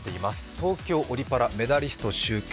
東京オリパラメダリスト集結。